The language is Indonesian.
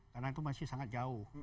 karena itu masih sangat jauh